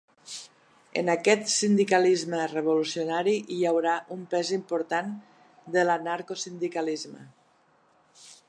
En aquest sindicalisme revolucionari hi haurà un pes important de l’anarcosindicalisme.